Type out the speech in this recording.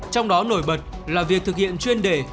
trong đó nổi bật là việc thực hiện chuyên đề